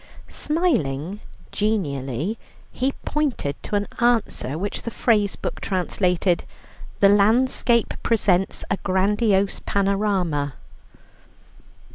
Smiling genially, he pointed to an answer which the phrase book translated: "The landscape presents a grandiose panorama."